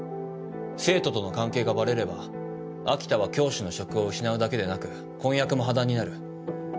生徒との関係がバレれば秋田は教師の職を失うだけでなく婚約も破談になる。